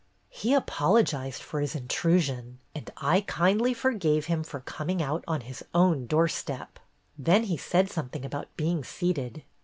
He apolo gized for his intrusion, and I kindly forgave him for coming out on his own doorstep ! Then he said something about being seated.